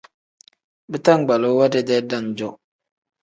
Bitangbaluu we dedee dam-jo.